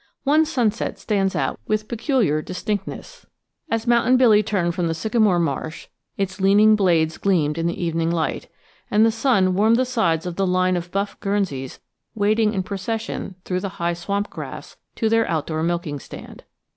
One sunset stands out with peculiar distinctness. As Mountain Billy turned from the sycamore marsh its leaning blades gleamed in the evening light, and the sun warmed the sides of the line of buff Guernseys wading in procession through the high swamp grass to their out door milking stand.